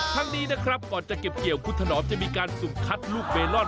ทั้งนี้นะครับก่อนจะเก็บเกี่ยวคุดถนอมจะมีการสุ่มคัดลูกเมลอน